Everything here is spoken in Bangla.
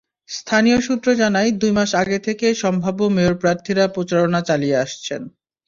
স্থানীয় সূত্র জানায়, দুই মাস আগে থেকেই সম্ভাব্য মেয়র প্রার্থীরা প্রচারণা চালিয়ে আসছেন।